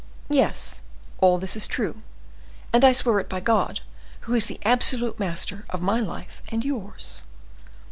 Yes, all this is true, and I swear it by God who is the absolute master of my life and yours."